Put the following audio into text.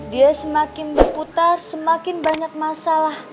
dia semakin berputar semakin banyak masalah